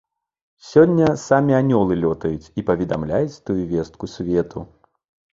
Сёння самі анёлы лётаюць і паведамляюць тую вестку свету.